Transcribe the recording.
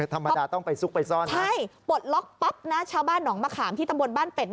ธรรมดาต้องไปซุกไปซ่อนใช่ปลดล็อกปั๊บนะชาวบ้านหนองมะขามที่ตำบลบ้านเป็ด